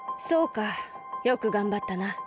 そうかよくがんばったな。